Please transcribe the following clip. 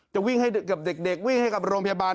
จะวิ่งให้กับเด็กวิ่งให้กับโรงพยาบาล